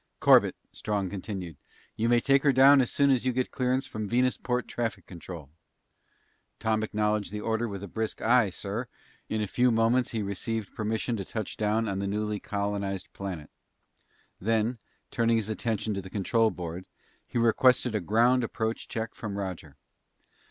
"Corbett," Strong continued, "you may take her down as soon as you get clearance from Venusport traffic control." Tom acknowledged the order with a brisk "Aye, sir! In a few moments he received permission to touch down on the newly colonized planet. Then, turning his attention to the control board, he requested a ground approach check from Roger.